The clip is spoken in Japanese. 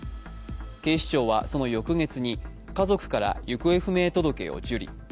警視庁は、その翌月に、家族から行方不明届を受理。